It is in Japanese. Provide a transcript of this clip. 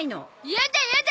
やだやだ